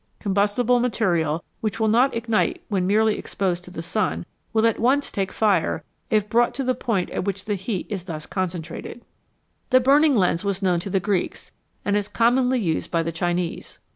Combustible material which will not ignite when merely exposed to the sun will at once take fire if brought to the point at which the heat is thus concentrated. The burning lens was known to the Greeks, and is commonly used by the Chinese.